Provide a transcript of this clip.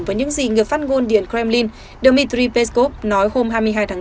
với những gì ngược phát ngôn điện kremlin dmitry peskov nói hôm hai mươi hai tháng bốn